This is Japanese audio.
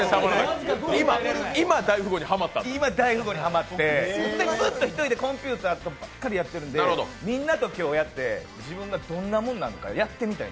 今「大富豪」にハマって、ずっと一人でやっててコンピューターとやってるので、みんなと今日やって、自分がどんなもんなのかやってみたい。